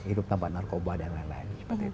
hidup tanpa narkoba dan lain lain